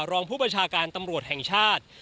รองผู้ประชาการตำรวจแห่งชาติ